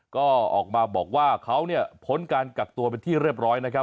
ก็ออกมาบอกว่าเขาเนี่ยพ้นการกักตัวเป็นที่เรียบร้อยนะครับ